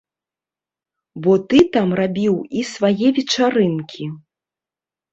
Бо ты там рабіў і свае вечарынкі.